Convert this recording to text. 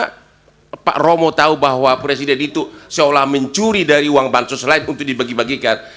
karena saya sudah mengatakan bahwa presiden itu seolah mencuri dari uang bancos lain untuk dibagi bagikan